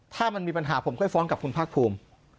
ถ้ามันมีปัญหาผมค่อยฟ้องกับคุณภาคภูมิ